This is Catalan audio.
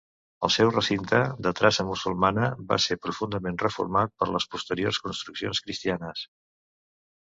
El seu recinte, de traça musulmana, va ser profundament reformat per les posteriors construccions cristianes.